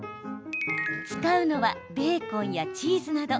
使うのはベーコンやチーズなど。